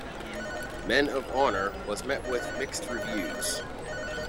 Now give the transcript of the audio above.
"Men of Honor" was met with mixed reviews.